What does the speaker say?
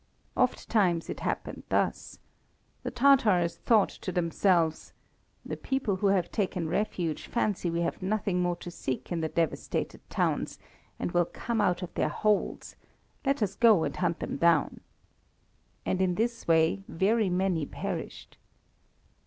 Ofttimes it happened thus. The Tatars thought to themselves: The people who have taken refuge fancy we have nothing more to seek in the devastated towns, and will come out of their holes, let us go and hunt them down. And in this way very many perished.